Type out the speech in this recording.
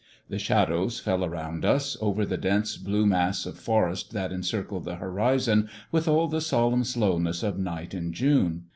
The shadows fell around us, over the dense blue mass of forest that encircled the horizon with all the solemn slowness of night in June.